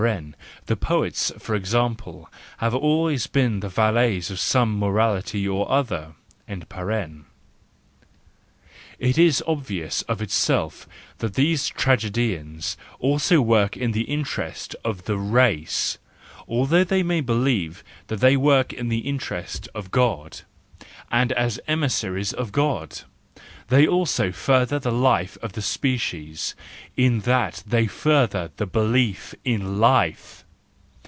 (The poets, for example, have always been the valets of some morality or other.)—It is obvious of itself that these tragedians also work in the interest of the race i though they may believe that they work in the interest of God, and as emissaries of God. They also further the life of the species, in that they further the belief in life